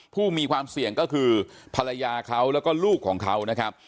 ผู้มีความเสี่ยงก็คือภรรยาเขาแล้วก็ลูกของเขานะครับ